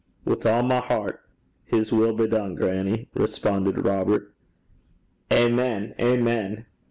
'Wi' a' my hert, "His will be dune," grannie,' responded Robert. 'Amen, amen.